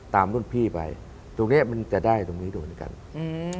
ตามรุ่นพี่ไปตรงเนี้ยมันจะได้ตรงนี้โดยด้วยกันอืม